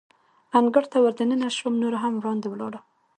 انګړ ته ور دننه شوم، نور هم وړاندې ولاړم.